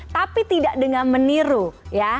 tapi tidak dengan meniru ya